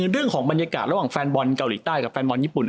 เรื่องของบรรยากาศระหว่างแฟนบอลเกาหลีใต้กับแฟนบอลญี่ปุ่น